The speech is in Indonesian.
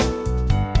oke sampai jumpa